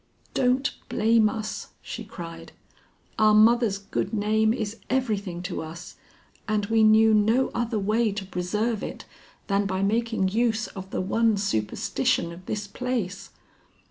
"Don't blame us!" she cried. "Our mother's good name is everything to us, and we knew no other way to preserve it than by making use of the one superstition of this place.